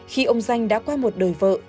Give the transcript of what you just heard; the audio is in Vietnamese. khi ông xanh đã qua một đời vợ